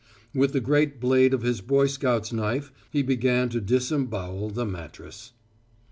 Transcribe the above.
With the great blade of his Boy Scout's knife he began to disembowel the mattress.